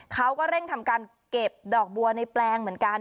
เขาก็เร่งทำการเก็บดอกบัวในแปลงเหมือนกัน